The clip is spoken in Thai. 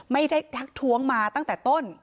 ไม่ได้ทักทวงมาตั้งแต่ต้น